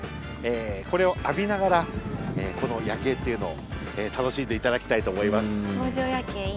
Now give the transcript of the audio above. これを浴びながらこの夜景っていうのを楽しんでいただきたいと思います。